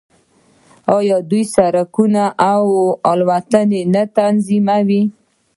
آیا دوی سړکونه او الوتنې نه تنظیموي؟